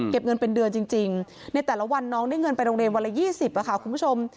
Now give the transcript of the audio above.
เงินเป็นเดือนจริงในแต่ละวันน้องได้เงินไปโรงเรียนวันละ๒๐ค่ะคุณผู้ชม